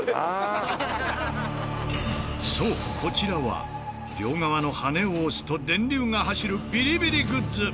そうこちらは両側の羽を押すと電流が走るビリビリグッズ。